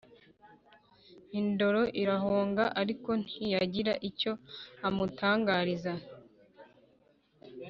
indoro irahonga ariko ntiyagira icyo amutangariza